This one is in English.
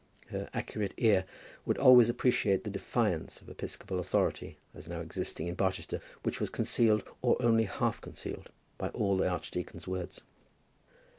Her accurate ear would always appreciate the defiance of episcopal authority, as now existing in Barchester, which was concealed, or only half concealed, by all the archdeacon's words.